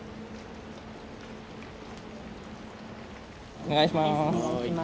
お願いします。